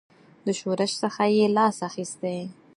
له شورش څخه یې لاس اخیستی.